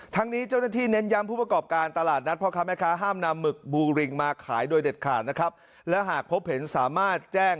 ทั้งนี้เจ้าหน้าที่เน้นย้ำ